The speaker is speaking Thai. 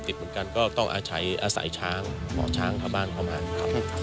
ติดเหมือนกันก็ต้องอาศัยช้างข้าวบ้านข้าวบ้านนะครับ